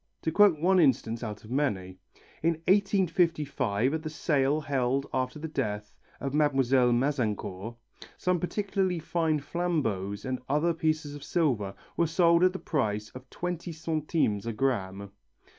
To quote one instance out of many. In 1855, at the sale held after the death of Mlle. Mazencourt, some particularly fine flambeaux and other pieces of silver were sold at the price of 20 centimes a gramme.